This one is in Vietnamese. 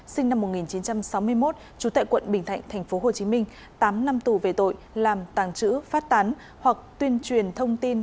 sinh năm một nghìn chín trăm sáu mươi một trú tại quận bình thạnh tp hcm tám năm tù về tội làm tàng trữ phát tán hoặc tuyên truyền thông tin